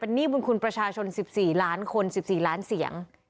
หนี้บุญคุณประชาชน๑๔ล้านคน๑๔ล้านเสียง